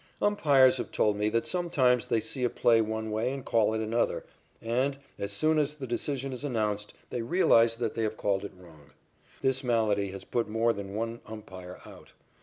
Umpires have told me that sometimes they see a play one way and call it another, and, as soon as the decision is announced, they realize that they have called it wrong. This malady has put more than one umpire out.